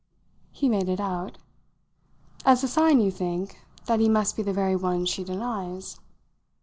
He made it out. "As a sign, you think, that he must be the very one she denies?"